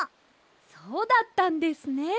そうだったんですね。